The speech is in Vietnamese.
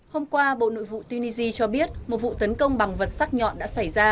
hôm qua bộ nội vụ tunisia cho biết một vụ tấn công bằng vật sắc nhọn đã xảy ra